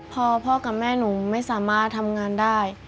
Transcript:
พ่อพ่อกับแม่หนูไม่สามารถทำงานได้